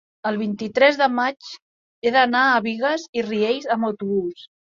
el vint-i-tres de maig he d'anar a Bigues i Riells amb autobús.